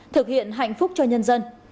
thực hiện hạnh phúc cho nhân dân